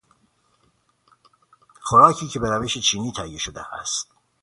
خوراکی که به روش چینی تهیه شده است